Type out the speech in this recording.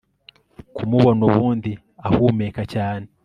kumubona ubundi ahumeka cyane